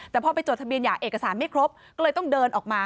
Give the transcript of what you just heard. แต่พอไปจดทะเบียนอย่างเอกสารไม่ครบก็เลยต้องเดินออกมา